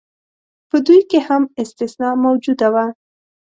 په دوی کې هم استثنا موجوده وه.